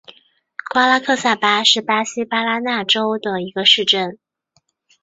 瓜拉克萨巴是巴西巴拉那州的一个市镇。